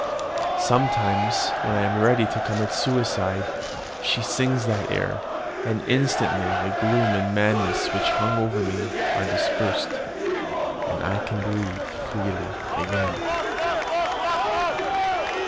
Sometimes, when I am ready to commit suicide, she sings that air; and instantly the gloom and madness which hung over me are dispersed, and I breathe freely again.